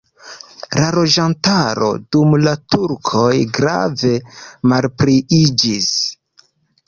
La loĝantaro dum la turkoj grave malpliiĝis.